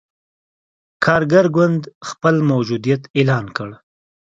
کارګر ګوند خپل موجودیت اعلان کړ.